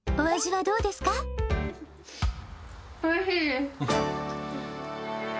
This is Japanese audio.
おいしいです。